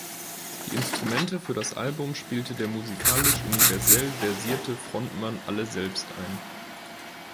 Die Instrumente für das Album spielte der musikalisch universell versierte Frontmann alle selbst ein.